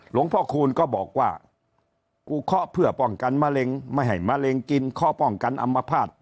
หลวงพ่อคูณก็บอกว่ากูเคาะเพื่อป้องกันมะเร็งไม่ให้มะเร็งกินเคาะป้องกันอัมพาต